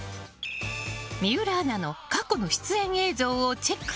水卜アナの過去の出演映像をチェック。